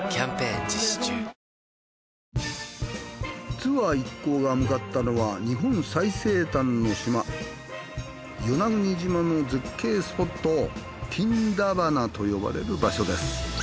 ツアー一行が向かったのは日本最西端の島与那国島の絶景スポットティンダバナと呼ばれる場所です。